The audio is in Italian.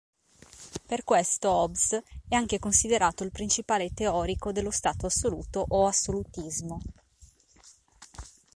Per questo Hobbes è anche considerato il principale teorico dello Stato assoluto o assolutismo.